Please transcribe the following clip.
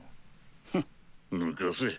フッぬかせ。